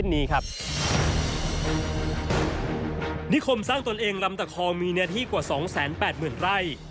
นิคมสร้างตนเองลำตะคองมีเนื้อที่กว่า๒๘๐๐๐ไร่